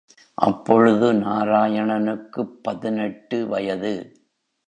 அப்பொழுது நாராயணனுக்குப் பதினெட்டு வயது.